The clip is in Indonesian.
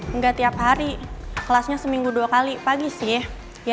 enggak tiap hari kelasnya seminggu dua kali pagi sih ya